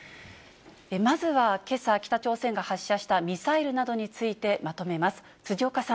まずはけさ、北朝鮮が発射したミサイルなどについてまとめます。